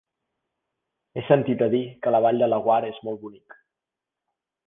He sentit a dir que la Vall de Laguar és molt bonic.